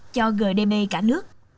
cho gdp cả nước